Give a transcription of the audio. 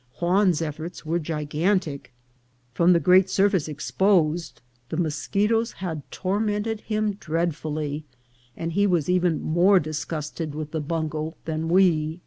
Juan's efforts were gigantic. From the great surface exposed, the moschetoes had tormented him dreadfully, and he was even more disgusted with the bungo than we.